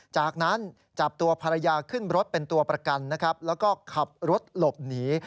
จากนั้นจับตัวภรรยาขึ้นรถเป็นตัวประกันนะครับแล้วก็ขับรถหลบหนี